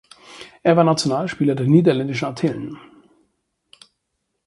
Er war Nationalspieler der Niederländischen Antillen.